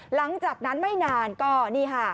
หลังจากนั้นไม่นานก็นี่ค่ะ